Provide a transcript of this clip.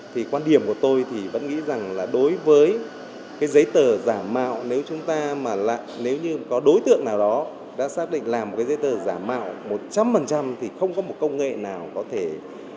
thì quan điểm của tôi thì vẫn nghĩ rằng là đối với cái giấy tờ giả mạo nếu chúng ta mà nếu như có đối tượng nào đó đã xác định làm một cái giấy tờ giả mạo một trăm linh thì không có một công nghệ nào có thể